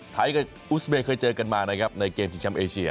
ไทยกับอุสเบย์เคยเจอกันมานะครับในเกมชิงแชมป์เอเชีย